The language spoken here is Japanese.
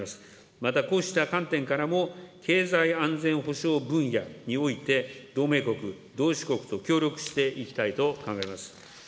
またこうした観点からも、経済安全保障分野において、同盟国、同志国と協力していきたいと考えます。